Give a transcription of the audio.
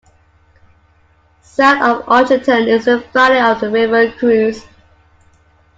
South of Argenton is the valley of the River Creuse.